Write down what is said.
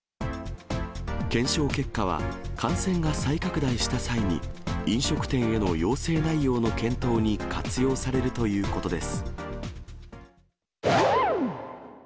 検証結果は感染が再拡大した際に、飲食店への要請内容の検討に活用されるということです。